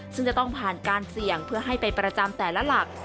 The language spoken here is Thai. ซึ่งจะต้องผ่านการเสี่ยงเพื่อให้ไปประจำแต่ละหลัก